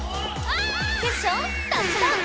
テッショウタッチダウン！